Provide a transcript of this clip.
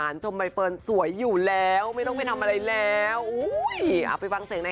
คนจริงอย่างเราก็เลยตอบไปว่า